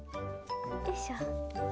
よいしょ。